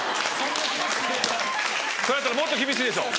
それやったらもっと厳しいでしょ。